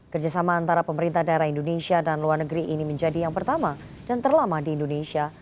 kerjasama antara pemerintah daerah indonesia dan luar negeri ini menjadi yang pertama dan terlama di indonesia